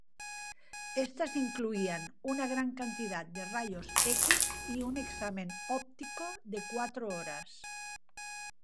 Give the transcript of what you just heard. Estas incluían una gran cantidad de rayos-X y un examen óptico de cuatro horas.